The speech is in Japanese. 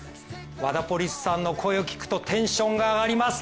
ワダポリスさんの声を聞くとテンションが上がります！